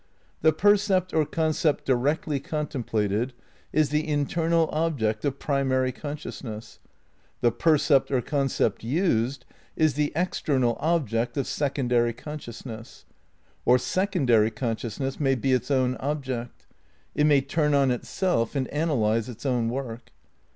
The percept or concept directly contemplated is the internal object of primary consciousness ; the percept or concept used is the external object of secondary con sciousness. Or secondary consciousness may be its own object. It may turn on itself and analyse its own work.